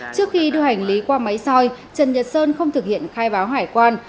trước khi đưa hành lý qua máy soi trần nhật sơn không thực hiện khai báo hải quan